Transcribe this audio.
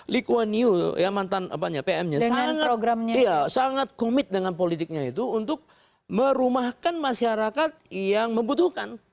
liquan new mantan pm nya sangat komit dengan politiknya itu untuk merumahkan masyarakat yang membutuhkan